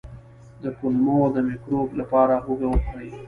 د کولمو د مکروب لپاره هوږه وخورئ